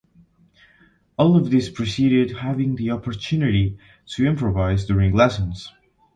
All of this preceded having the opportunity to improvise during lessons.